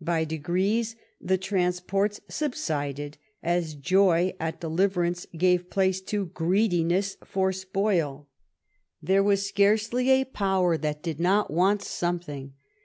By degrees the transports subsided, as joy at deliverance gave place to greediness for spoil. There was scarcely a Power that did not want something.